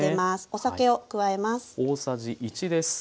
お酒を加えます。